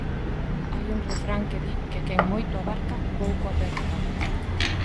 Hai un refrán que di que quen moito abarca pouco aperta.